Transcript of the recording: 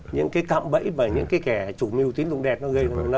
những cái cặm bẫy và những cái kẻ chủ mưu tín dụng đen